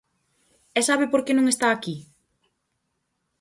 ¿E sabe porque non está aquí?